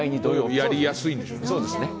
やりやすいんでしょうね。